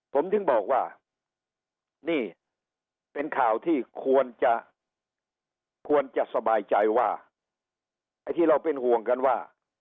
ผมถึงบอกว่านี่เป็นข่าวที่ควรจะควรจะสบายใจว่าไอ้ที่เราเป็นห่วงกันว่า